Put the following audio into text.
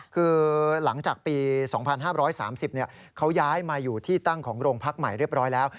คือหลังจากปี๒๕๓๐เขาย้ายมาอยู่ที่ตั้งของโรงพักใหม่เรียบร้อยแล้ว